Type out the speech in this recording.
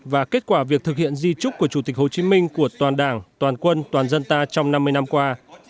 và kết quả việc thực hiện di trúc của chủ tịch hồ chí minh của toàn đảng toàn quân toàn dân ta trong năm mươi năm qua